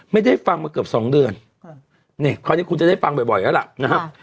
ไม่ได้ฟังมาเกือบสองเดือนนี่คราวนี้คุณจะได้ฟังบ่อยแล้วล่ะนะครับ